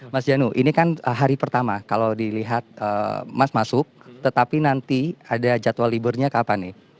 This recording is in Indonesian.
mas janu ini kan hari pertama kalau dilihat mas masuk tetapi nanti ada jadwal liburnya kapan nih